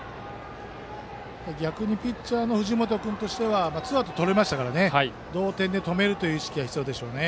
逆にピッチャーの藤本君としてはツーアウトをとれましたから同点で止めるという意識が必要でしょうね。